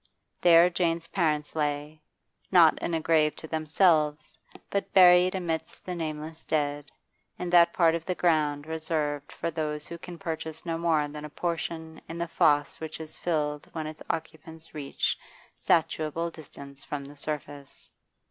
There Jane's parents lay, not in a grave to themselves, but buried amidst the nameless dead, in that part of the ground reserved for those who can purchase no more than a portion in the foss which is filled when its occupants reach statutable distance from the surface.